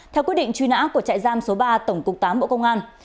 theo quyết định truy nã của trại giam số ba tổng cục tám bộ công an